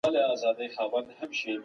د کورني نظم ساتنه د ټولو مسئولیت دی.